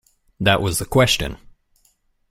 That was the question.